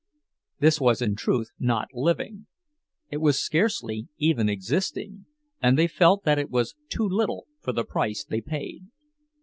This was in truth not living; it was scarcely even existing, and they felt that it was too little for the price they paid.